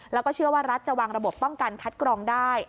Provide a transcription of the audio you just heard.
แล้วก็เชื่อว่ารัฐจะวางระบบป้องกันคัดกรองได้